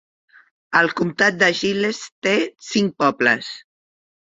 El comtat de Giles té cinc pobles.